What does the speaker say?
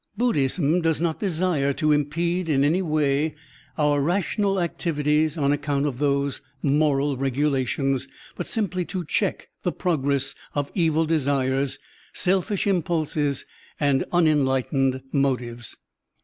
Buddhism does not desire to impede in any way our rational activ ities on accotint of those moral regulations, but simply to check the progress of evil desires, selfish impulses, and tinenlightened motives.